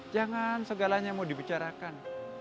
jangan segalanya mau dibicarakan